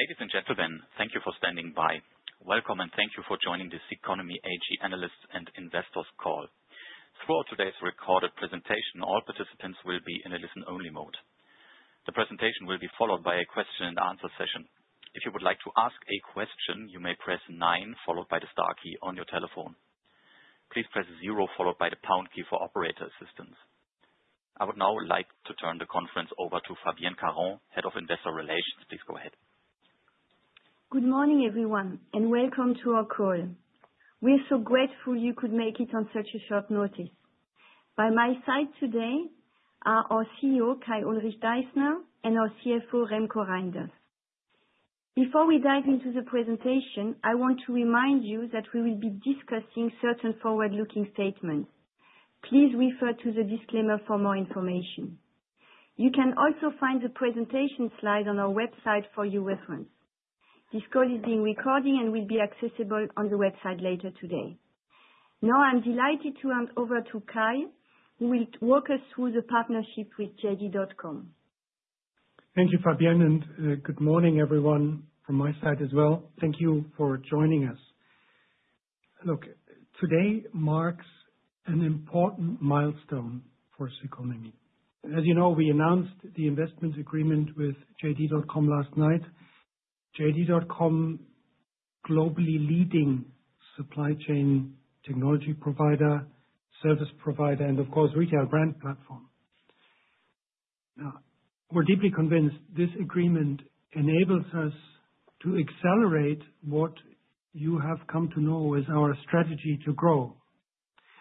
Ladies and gentlemen, thank you for standing by. Welcome, and thank you for joining this Ceconomy AG analysts and investors call. Throughout today's recorded presentation, all participants will be in a listen-only mode. The presentation will be followed by a question and answer session. If you would like to ask a question, you may press nine, followed by the star key on your telephone. Please press zero, followed by the pound key for operator assistance. I would now like to turn the conference over to Fabienne Caron, Head of Investor Relations. Please go ahead. Good morning, everyone, and welcome to our call. We're so grateful you could make it on such short notice. By my side today are our CEO, Kai-Ulrich Deissner, and our CFO, Remko Rijnders. Before we dive into the presentation, I want to remind you that we will be discussing certain forward-looking statements. Please refer to the disclaimer for more information. You can also find the presentation slides on our website for your reference. This call is being recorded and will be accessible on the website later today. Now, I'm delighted to hand over to Kai, who will walk us through the partnership with JD.com. Thank you, Fabienne, and good morning, everyone, from my side as well. Thank you for joining us. Today marks an important milestone for Ceconomy. As you know, we announced the investment agreement with JD.com last night. JD.com, globally leading supply chain technology provider, service provider, and of course, retail brand platform. We're deeply convinced this agreement enables us to accelerate what you have come to know as our strategy to grow,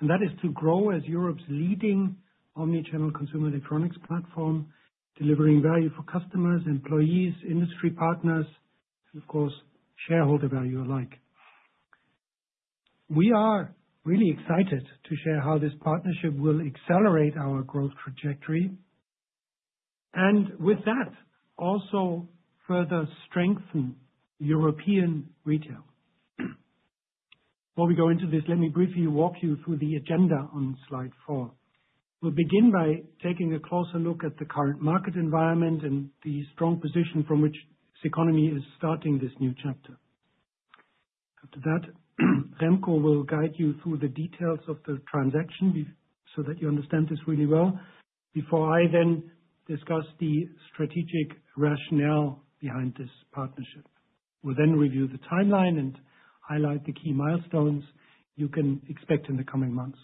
and that is to grow as Europe's leading omnichannel consumer electronics platform, delivering value for customers, employees, industry partners, and of course, shareholder value alike. We are really excited to share how this partnership will accelerate our growth trajectory and, with that, also further strengthen European retail. Before we go into this, let me briefly walk you through the agenda on slide four. We'll begin by taking a closer look at the current market environment and the strong position from which Ceconomy is starting this new chapter. After that, Remko will guide you through the details of the transaction so that you understand this really well before I then discuss the strategic rationale behind this partnership. We'll then review the timeline and highlight the key milestones you can expect in the coming months.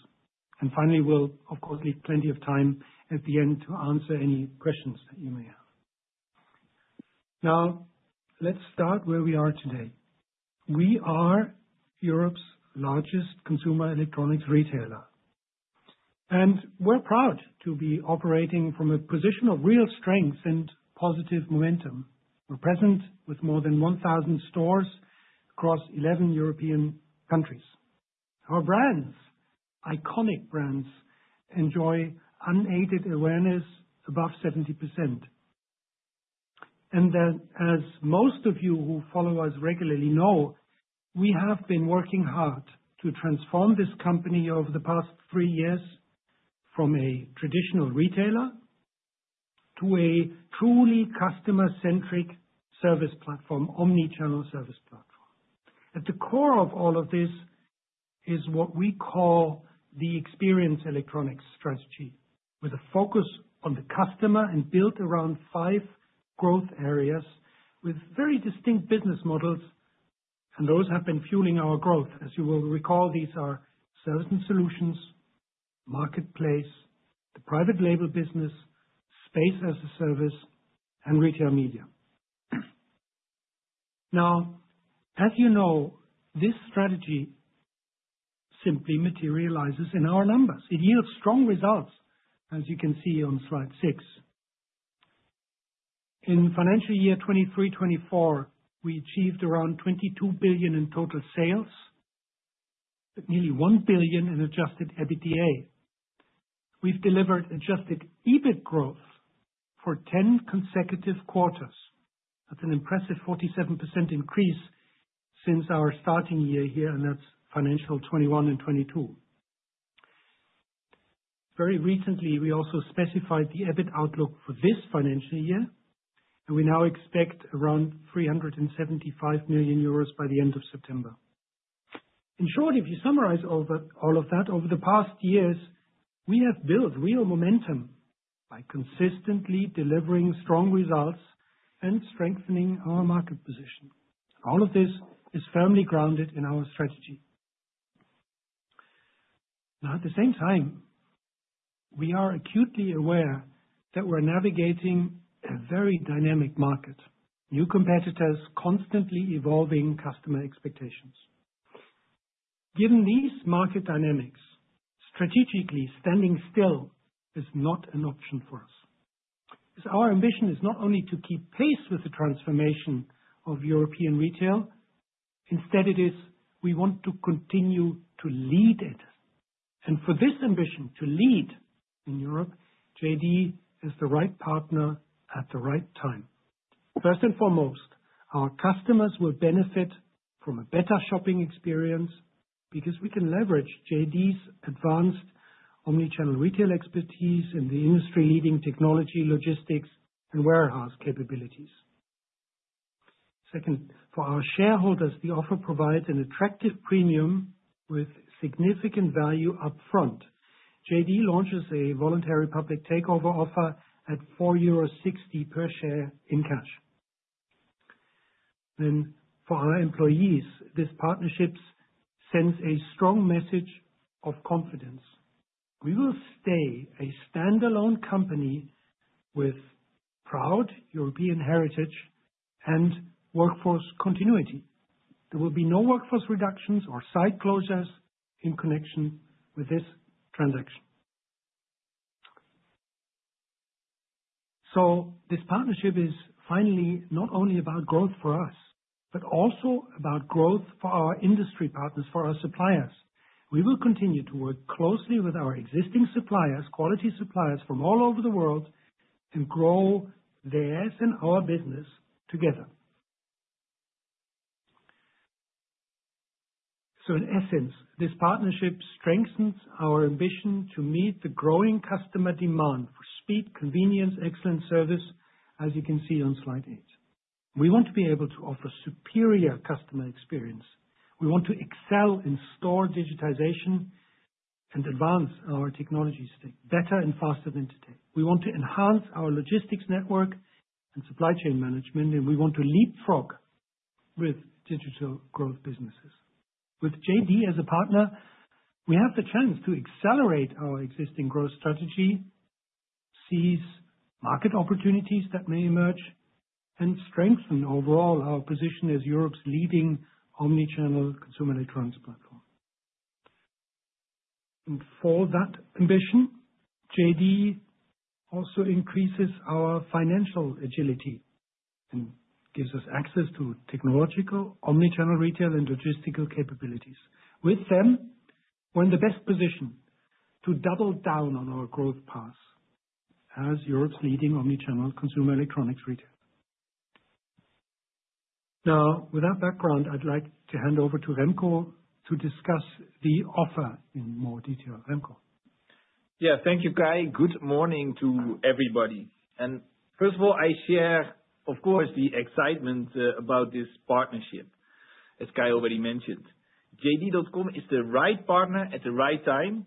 Finally, we'll, of course, leave plenty of time at the end to answer any questions that you may have. Now, let's start where we are today. We are Europe's largest consumer electronics retailer, and we're proud to be operating from a position of real strength and positive momentum. We're present with more than 1,000 stores across 11 European countries. Our brands, iconic brands, enjoy unaided awareness above 70%. As most of you who follow us regularly know, we have been working hard to transform this company over the past three years from a traditional retailer to a truly customer-centric service platform, omnichannel service platform. At the core of all of this is what we call the experience electronics strategy, with a focus on the customer and built around five growth areas with very distinct business models, and those have been fueling our growth. As you will recall, these are service and solutions, the marketplace, the private label business, space as a service, and retail media. As you know, this strategy simply materializes in our numbers. It yields strong results, as you can see on slide six. In financial year 2023/2024, we achieved around 22 billion in total sales, but nearly 1 billion in adjusted EBITDA. We've delivered adjusted EBIT growth for 10 consecutive quarters. That's an impressive 47% increase since our starting year here, and that's financial 2021 and 2022. Very recently, we also specified the EBIT outlook for this financial year, and we now expect around 375 million euros by the end of September. In short, if you summarize all of that, over the past years, we have built real momentum by consistently delivering strong results and strengthening our market position. All of this is firmly grounded in our strategy. At the same time, we are acutely aware that we're navigating a very dynamic market, new competitors, constantly evolving customer expectations. Given these market dynamics, strategically standing still is not an option for us. Our ambition is not only to keep pace with the transformation of European retail; it is we want to continue to lead it. For this ambition to lead in Europe, JD.com is the right partner at the right time. First and foremost, our customers will benefit from a better shopping experience because we can leverage JD.com's advanced omnichannel retail expertise in the industry-leading technology, logistics, and warehouse capabilities. Second, for our shareholders, the offer provides an attractive premium with significant value upfront. JD.com launches a voluntary public takeover offer at 4.60 euro per share in cash. For our employees, this partnership sends a strong message of confidence. We will stay a standalone company with proud European heritage and workforce continuity. There will be no workforce reductions or site closures in connection with this transaction. This partnership is finally not only about growth for us but also about growth for our industry partners, for our suppliers. We will continue to work closely with our existing suppliers, quality suppliers from all over the world, and grow theirs and our business together. In essence, this partnership strengthens our ambition to meet the growing customer demand for speed, convenience, excellent service, as you can see on slide eight. We want to be able to offer superior customer experience. We want to excel in store digitization and advance our technology stack better and faster than today. We want to enhance our logistics network and supply chain management, and we want to leapfrog with digital growth businesses. With JD.com as a partner, we have the chance to accelerate our existing growth strategy, seize market opportunities that may emerge, and strengthen overall our position as Europe’s leading omnichannel consumer electronics platform. For that ambition, JD.com also increases our financial agility and gives us access to technological omnichannel retail and logistics capabilities. With them, we're in the best position to double down on our growth paths as Europe’s leading omnichannel consumer electronics retailer. Now, with that background, I'd like to hand over to Remko to discuss the offer in more detail. Remko? Thank you, Kai. Good morning to everybody. First of all, I share, of course, the excitement about this partnership, as Kai already mentioned. JD.com is the right partner at the right time,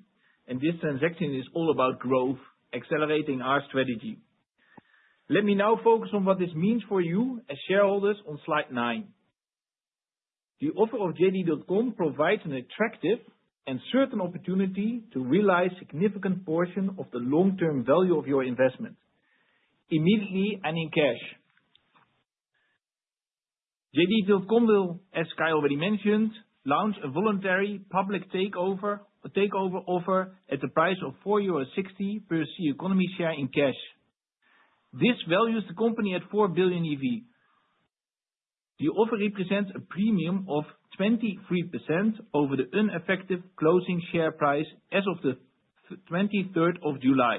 and this transaction is all about growth, accelerating our strategy. Let me now focus on what this means for you as shareholders on slide nine. The offer of JD.com provides an attractive and certain opportunity to realize a significant portion of the long-term value of your investment immediately and in cash. JD.com will, as Kai already mentioned, launch a voluntary public takeover offer at the price of 4.60 euro per Ceconomy share in cash. This values the company at 4 billion enterprise value. The offer represents a premium of 23% over the unaffected closing share price as of the 23rd of July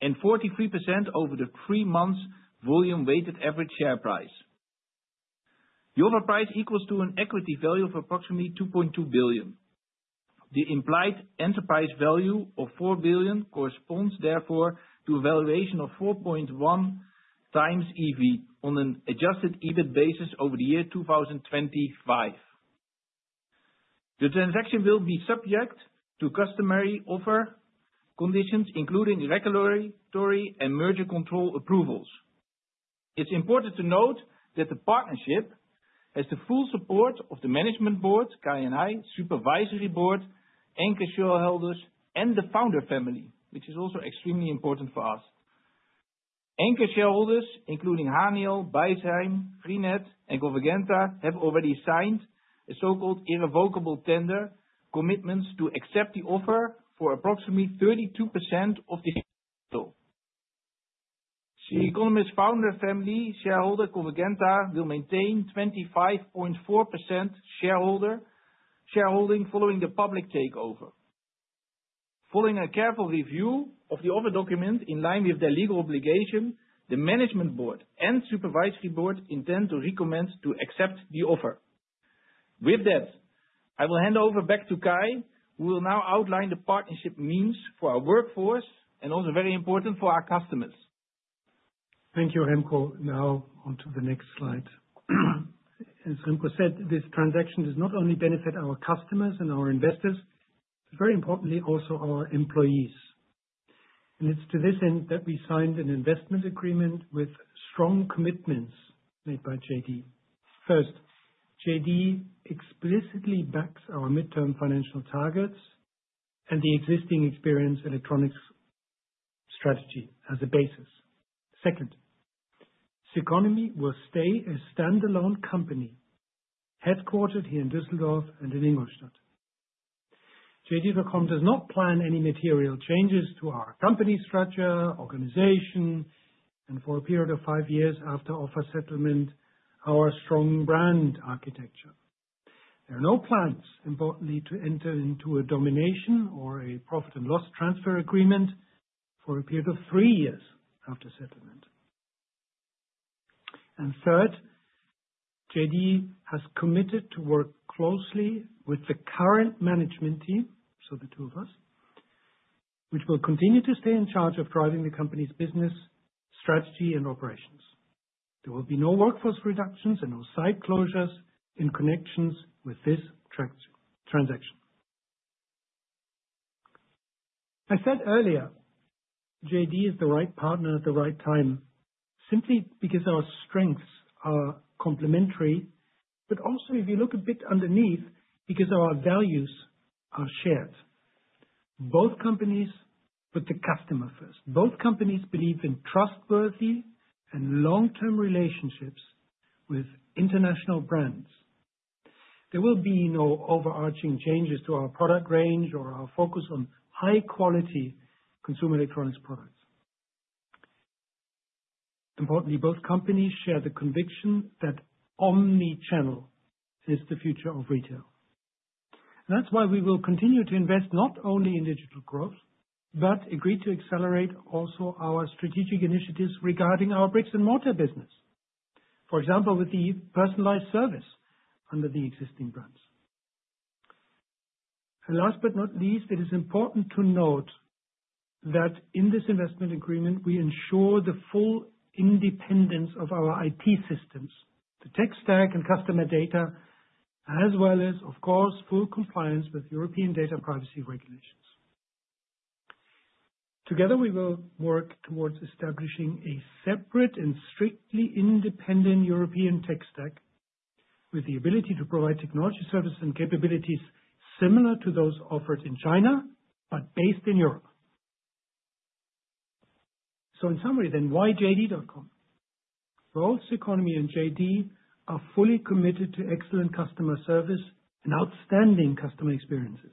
and 43% over the three months' volume-weighted average share price. The offer price equals an equity value of approximately 2.2 billion. The implied enterprise value of 4 billion corresponds, therefore, to a valuation of 4.1 times enterprise value on an adjusted EBIT basis over the year 2025. The transaction will be subject to customary offer conditions, including regulatory and merger control approvals. It's important to note that the partnership has the full support of the Management Board, Kai and I, Supervisory Board, anchor shareholders, and the founder family, which is also extremely important for us. Anchor shareholders, including Haniel, Beisheim, Freenet, and Convergenta, have already signed so-called irrevocable tender commitments to accept the offer for approximately 32% of the total. Ceconomy's founder family, shareholder Convergenta, will maintain a 25.4% shareholding following the public takeover. Following a careful review of the offer document in line with their legal obligation, the Management Board and Supervisory Board intend to recommend to accept the offer. With that, I will hand over back to Kai, who will now outline what the partnership means for our workforce and also very important for our customers. Thank you, Remko. Now, onto the next slide. As Remko said, this transaction does not only benefit our customers and our investors, but very importantly, also our employees. It is to this end that we signed an investment agreement with strong commitments made by JD.com. First, JD.com explicitly backs our midterm financial targets and the existing experience electronics strategy as a basis. Second, Ceconomy will stay a standalone company headquartered here in Düsseldorf and in Ingolstadt. JD.com does not plan any material changes to our company structure, organization, and for a period of five years after offer settlement, our strong brand architecture. There are no plans, importantly, to enter into a domination or a profit and loss transfer agreement for a period of three years after settlement. Third, JD.com has committed to work closely with the current management team, so the two of us, which will continue to stay in charge of driving the company's business strategy and operations. There will be no workforce reductions and no site closures in connection with this transaction. JD.com is the right partner at the right time simply because our strengths are complementary, but also, if you look a bit underneath, because our values are shared. Both companies put the customer first. Both companies believe in trustworthy and long-term relationships with international brands. There will be no overarching changes to our product range or our focus on high-quality consumer electronics products. Importantly, both companies share the conviction that omnichannel is the future of retail. That is why we will continue to invest not only in digital growth but agree to accelerate also our strategic initiatives regarding our bricks and mortar business, for example, with the personalized service under the existing brands. Last but not least, it is important to note that in this investment agreement, we ensure the full independence of our IT systems, the tech stack, and customer data, as well as, of course, full compliance with European data privacy regulations. Together, we will work towards establishing a separate and strictly independent European tech stack with the ability to provide technology service and capabilities similar to those offered in China but based in Europe. In summary, then, why JD.com? Both Ceconomy and JD.com are fully committed to excellent customer service and outstanding customer experiences.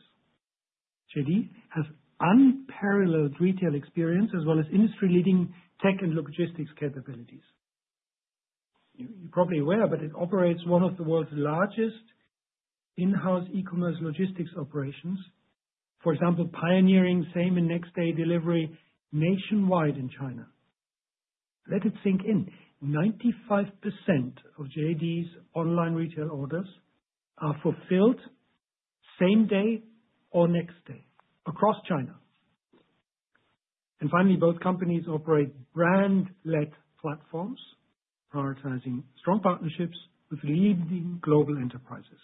JD has unparalleled retail experience as well as industry-leading tech and logistics capabilities. You're probably aware, but it operates one of the world's largest in-house e-commerce logistics operations, for example, pioneering same and next-day delivery nationwide in China. Let it sink in, 95% of JD's online retail orders are fulfilled same day or next day across China. Finally, both companies operate brand-led platforms, prioritizing strong partnerships with leading global enterprises.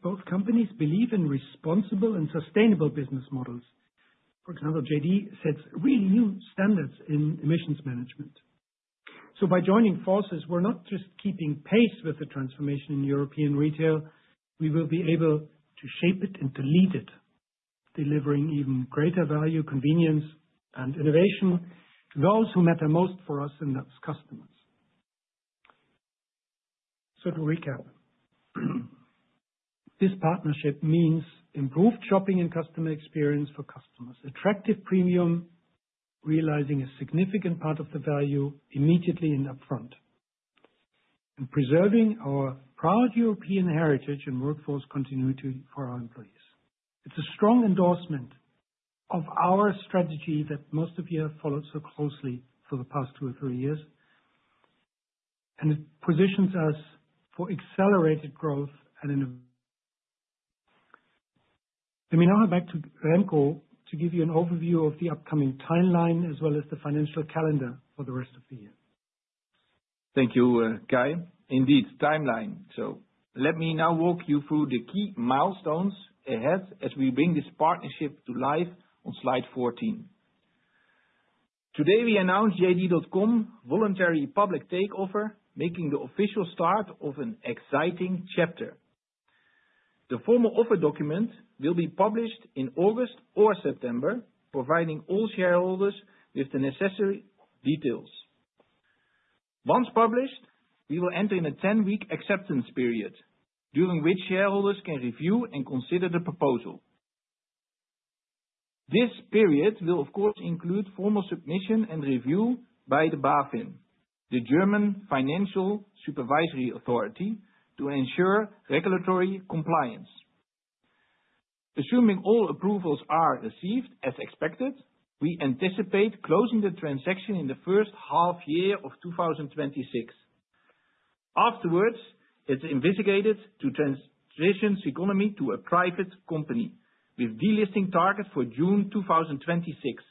Both companies believe in responsible and sustainable business models. For example, JD sets really new standards in emissions management. By joining forces, we're not just keeping pace with the transformation in European retail. We will be able to shape it and to lead it, delivering even greater value, convenience, and innovation, and goals who matter most for us and those customers. To recap, this partnership means improved shopping and customer experience for customers, attractive premium, realizing a significant part of the value immediately and upfront, and preserving our proud European heritage and workforce continuity for our employees. It's a strong endorsement of our strategy that most of you have followed so closely for the past two or three years, and it positions us for accelerated growth and innovation. Let me now hand back to Remko to give you an overview of the upcoming timeline as well as the financial calendar for the rest of the year. Thank you, Kai. Indeed, timeline. Let me now walk you through the key milestones ahead as we bring this partnership to life on slide 14. Today, we announce JD.com's voluntary public takeover, making the official start of an exciting chapter. The formal offer document will be published in August or September, providing all shareholders with the necessary details. Once published, we will enter in a 10-week acceptance period, during which shareholders can review and consider the proposal. This period will, of course, include formal submission and review by the BaFin, the German Financial Supervisory Authority, to ensure regulatory compliance. Assuming all approvals are received, as expected, we anticipate closing the transaction in the first half year of 2026. Afterwards, it's investigated to transition Ceconomy AG to a private company with delisting targets for June 2026.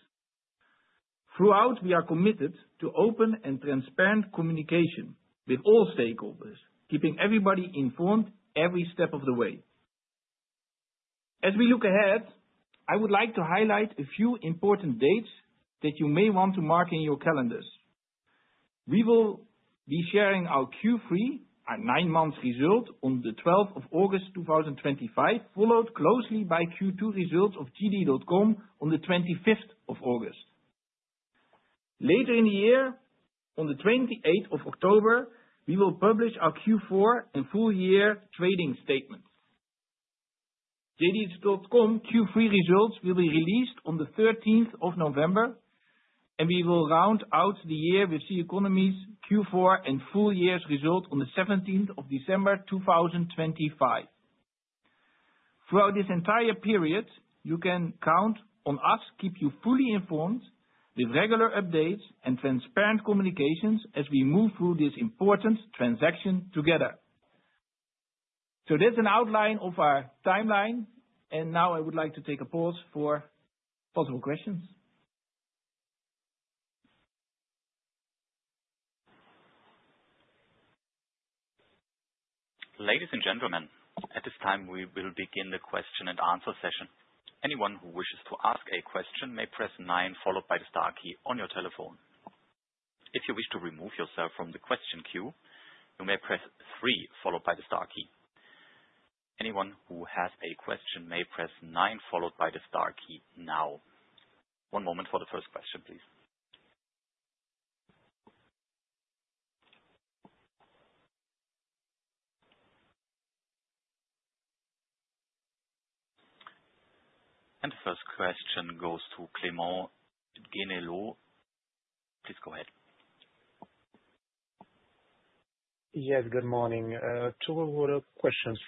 Throughout, we are committed to open and transparent communication with all stakeholders, keeping everybody informed every step of the way. As we look ahead, I would like to highlight a few important dates that you may want to mark in your calendars. We will be sharing our Q3, our nine-month result, on the 12th of August 2025, followed closely by Q2 results of JD.com on the 25th of August. Later in the year, on the 28th of October, we will publish our Q4 and full-year trading statement. JD.com Q3 results will be released on the 13th of November, and we will round out the year with Ceconomy AG's Q4 and full-year's result on the 17th of December 2025. Throughout this entire period, you can count on us to keep you fully informed with regular updates and transparent communications as we move through this important transaction together. That is an outline of our timeline, and now I would like to take a pause for possible questions. Ladies and gentlemen, at this time, we will begin the question and answer session. Anyone who wishes to ask a question may press nine, followed by the star key on your telephone. If you wish to remove yourself from the question queue, you may press three, followed by the star key. Anyone who has a question may press nine, followed by the star key now. One moment for the first question, please. The first question goes to Clément Guenelot. Please go ahead. Yes, good morning. Two questions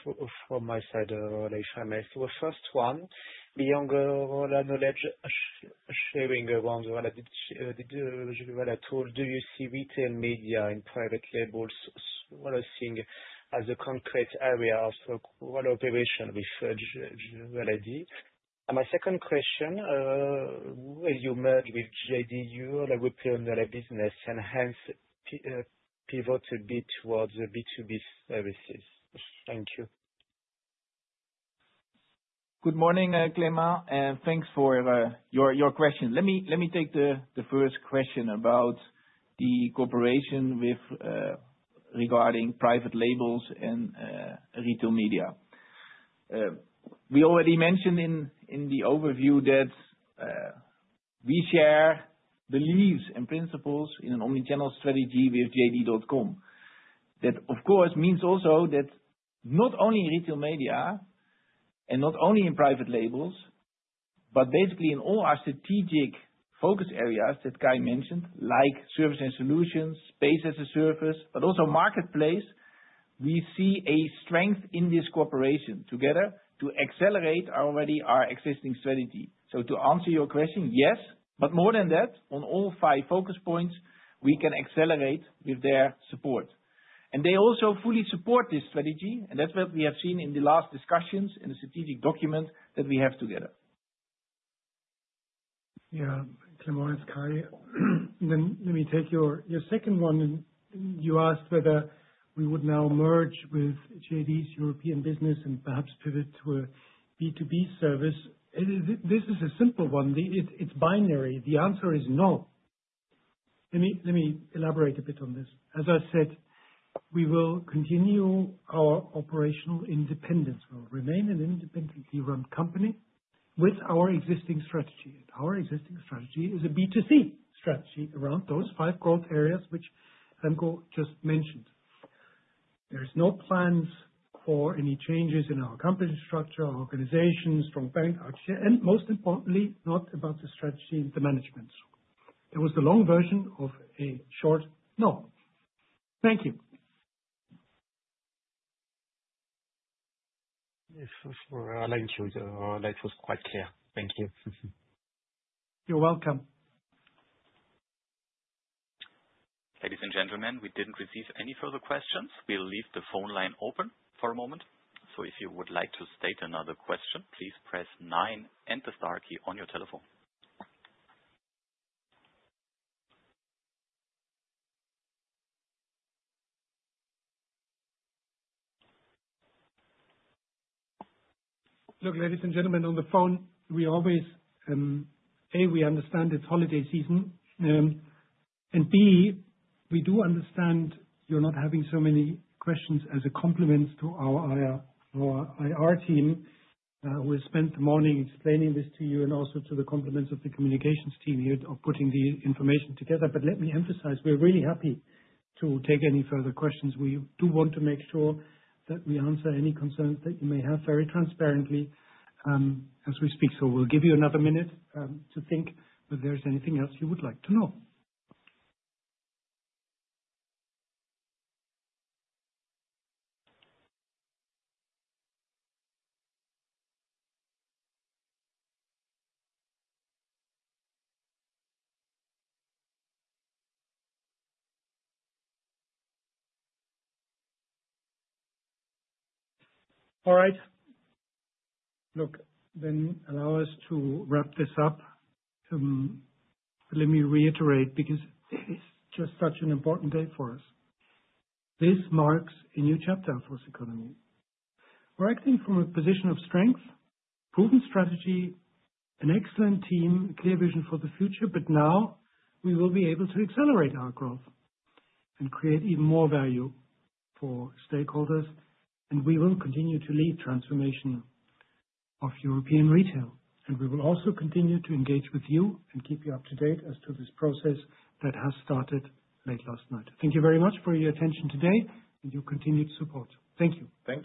from my side, if I may. The first one, beyond the knowledge sharing around the valid tool, do you see retail media and private labels? What are you seeing as a concrete area of operation with JD.com? My second question, will you merge with JD.com Europe and the business and hence pivot a bit towards the B2B services? Thank you. Good morning, Clément, and thanks for your question. Let me take the first question about the cooperation regarding private labels and retail media. We already mentioned in the overview that we share the leads and principles in an omnichannel strategy with JD.com. That, of course, means also that not only in retail media and not only in private labels, but basically in all our strategic focus areas that Kai mentioned, like service and solutions, space as a service, but also marketplace, we see a strength in this cooperation together to accelerate already our existing strategy. To answer your question, yes, but more than that, on all five focus points, we can accelerate with their support. They also fully support this strategy, and that's what we have seen in the last discussions in the strategic document that we have together. Yeah, Clément, it's Kai. Let me take your second one. You asked whether we would now merge with JD.com's European business and perhaps pivot to a B2B service. This is a simple one. It's binary. The answer is no. Let me elaborate a bit on this. As I said, we will continue our operational independence. We'll remain an independently run company with our existing strategy. Our existing strategy is a B2C strategy around those five growth areas which Remko just mentioned. There are no plans for any changes in our company structure, our organization, strong bank, and most importantly, not about the strategy and the management. That was the long version of a short no. Thank you. I think your line was quite clear. Thank you. You're welcome. Ladies and gentlemen, we didn't receive any further questions. We'll leave the phone line open for a moment. If you would like to state another question, please press nine and the star key on your telephone. Ladies and gentlemen, on the phone, we understand it's holiday season. We do understand you're not having so many questions as a compliment to our IR team, who has spent the morning explaining this to you and also to the compliments of the communications team here for putting the information together. Let me emphasize, we're really happy to take any further questions. We do want to make sure that we answer any concerns that you may have very transparently, as we speak. We'll give you another minute to think if there's anything else you would like to know. All right. Allow us to wrap this up. Let me reiterate because it's just such an important day for Ceconomy. We're acting from a position of strength, proven strategy, an excellent team, a clear vision for the future, but now we will be able to accelerate our growth and create even more value for stakeholders. We will continue to lead the transformation of European retail. We will also continue to engage with you and keep you up to date as to this process that has started late last night. Thank you very much for your attention today and your continued support. Thank you. Thank you.